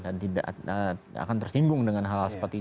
dan tidak akan tersinggung dengan hal hal seperti itu